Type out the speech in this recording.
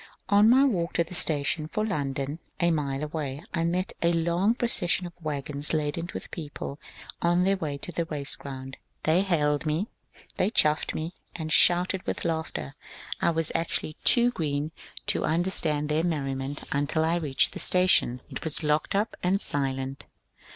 On my walk to the station for London, a mile away, I met a long procession of wagons laden with people on their way to the race ground. They hailed me, chaffed me, and shouted with laughter. I was actuaUy too ^^ green " to under FRANCES POWER COBBE 391 stand their merriment until I reached the station ; it was locked up and silent.